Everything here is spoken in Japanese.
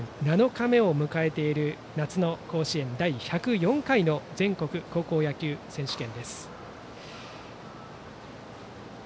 ７日目を迎えている夏の甲子園、第１０４回の全国高校野球選手権です。